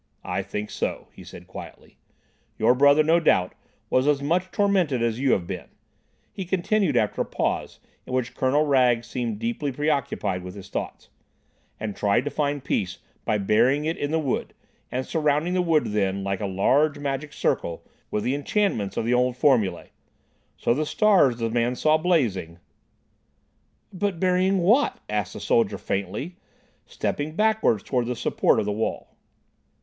"I think so," he said quietly. "Your brother, no doubt, was as much tormented as you have been," he continued after a pause in which Colonel Wragge seemed deeply preoccupied with his thoughts, "and tried to find peace by burying it in the wood, and surrounding the wood then, like a large magic circle, with the enchantments of the old formulae. So the stars the man saw blazing—" "But burying what?" asked the soldier faintly, stepping backwards towards the support of the wall.